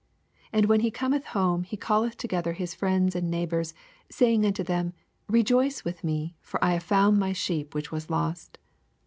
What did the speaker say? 6 And when he cometh home^ he caUeth together his friends and neigh bors, saying unto them, Kejoioe with me ; for I have foimd my sheep which was lost.